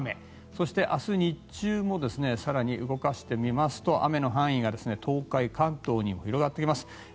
そして明日日中も更に動かしてみますと雨の範囲が東海、関東に広がってきます。